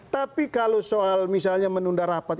tapi kalau soal misalnya menunda rapat